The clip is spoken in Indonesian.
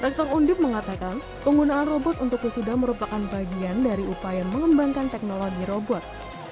rektor undip mengatakan penggunaan robot untuk wisuda merupakan bagian dari upaya mengembangkan teknologi robot